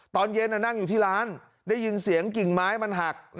ตอนเย็นนั่งอยู่ที่ร้านได้ยินเสียงกิ่งไม้มันหัก